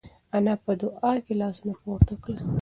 انا په دعا کې لاسونه پورته کړل.